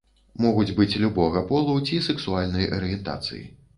Могуць быць любога полу ці сексуальнай арыентацыі.